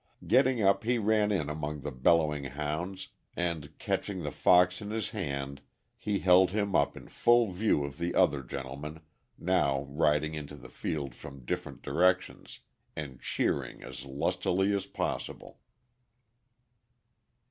Getting up he ran in among the bellowing hounds and, catching the fox in his hand, he held him up in full view of the other gentlemen, now riding into the field from different directions and cheering as lustily as possible.